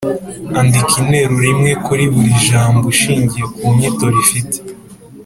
andika interuro imwe kuri buri jambo ushingiye ku nyito rifite